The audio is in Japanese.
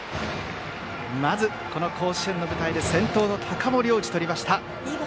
まず、甲子園の舞台で先頭の高森を打ち取りました。